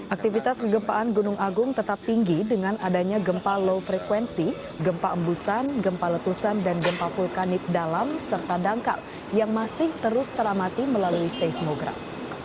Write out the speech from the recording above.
aktivitas kegempaan gunung agung tetap tinggi dengan adanya gempa low frekuensi gempa embusan gempa letusan dan gempa vulkanik dalam serta dangkal yang masih terus teramati melalui seismograf